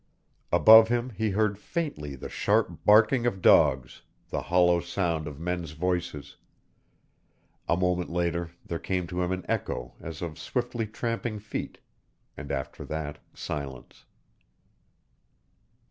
Above him he heard faintly the sharp barking of dogs, the hollow sound of men's voices. A moment later there came to him an echo as of swiftly tramping feet, and after that silence.